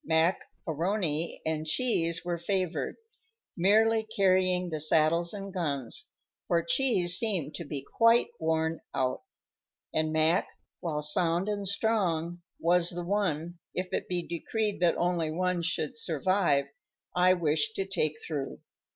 Mac A'Rony and Cheese were favored, merely carrying the saddles and guns, for Cheese seemed to be quite worn out, and Mac, while sound and strong, was the one, if it be decreed that only one should survive, I wished to take through.